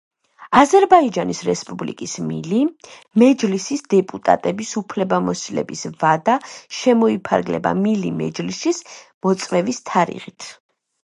აზერბაიჯანის რესპუბლიკის მილი მეჯლისის დეპუტატების უფლებამოსილების ვადა შემოიფარგლება მილი მეჯლისის მოწვევის თარიღით.